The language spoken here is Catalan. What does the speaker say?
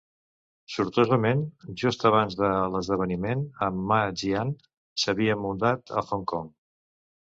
Sortosament, just abans de l'esdeveniment, en Ma Jian s'havia mudat a Hong Kong.